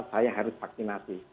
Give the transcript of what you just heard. saya harus vaksinasi